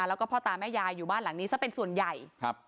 แล้วก็พ่อตาแม่ยายอยู่บ้านหลังนี้ซะเป็นส่วนใหญ่ครับ